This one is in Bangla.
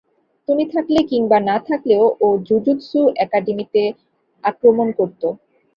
তুমি থাকলে কিংবা না থাকলেও ও জুজুৎসু একাডেমীতে আক্রমণ করতো।